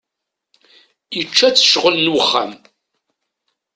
Yečča-tt ccɣel n wexxam.